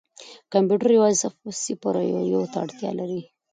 کمپیوټر یوازې صفر او یو ته اړتیا لري.